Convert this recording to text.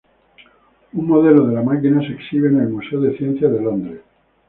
Un modelo de la máquina se exhibe en el Museo de Ciencias de Londres.